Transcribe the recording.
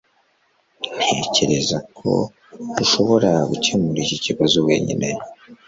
Ntekereza ko ushobora gukemura iki kibazo wenyine.